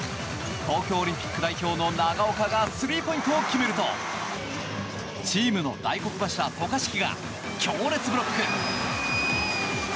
東京オリンピック代表の長岡がスリーポイントを決めるとチームの大黒柱、渡嘉敷が強烈ブロック。